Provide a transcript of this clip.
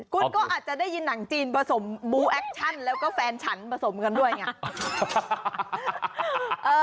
คุณก็อาจจะได้ยินหนังจีนผสมบูแอคชั่นแล้วก็แฟนฉันผสมกันด้วยไง